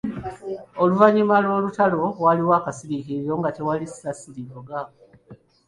Oluvannyuma lw'olutalo waaliwo akasiriikiriro nga tewali ssasi livuga.